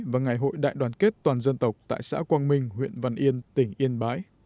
và ngày hội đại đoàn kết toàn dân tộc tại xã quang minh huyện văn yên tỉnh yên bái